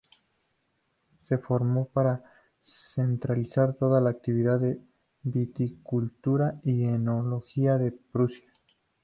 Se formó para centralizar toda la actividad de viticultura y enología en Prusia.